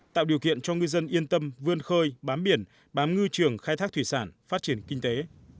tạo điều kiện cho ngư dân yên tâm vươn khơi bám biển bám ngư trường khai thác thủy sản phát triển kinh tế